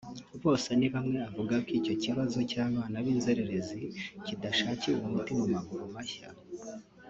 Bosenibamwe avuga ko icyo kibazo cy’abana b’inzererezi kidashakiwe umuti mu maguru mashya